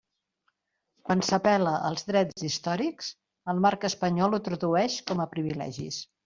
Quan s'apel·la als drets històrics, el marc espanyol ho tradueix com a privilegis.